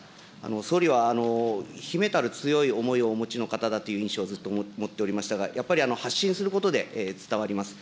総理は秘めたる強い思いをお持ちの方だという印象をずっと持っておりましたが、やっぱり発信することで伝わります。